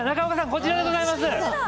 こちらでございます。